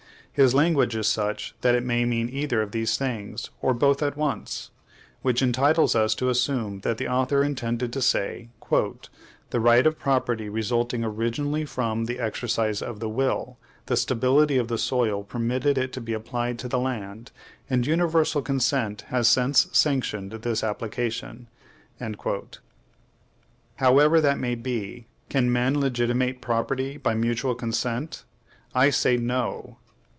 His language is such that it may mean either of these things, or both at once; which entitles us to assume that the author intended to say, "The right of property resulting originally from the exercise of the will, the stability of the soil permitted it to be applied to the land, and universal consent has since sanctioned this application." However that may be, can men legitimate property by mutual consent? I say, no.